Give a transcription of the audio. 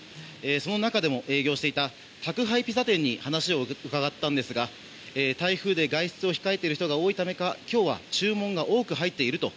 その中でも営業していた宅配ピザ店に話を伺ったんですが台風で外出を控えている人が多いためか今日は注文が多く入っていると。